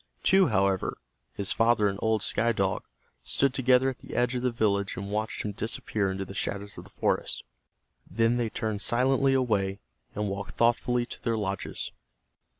Two, however, his father and old Sky Dog, stood together at the edge of the village and watched him disappear into the shadows of the forest. Then they turned silently away, and walked thoughtfully to their lodges.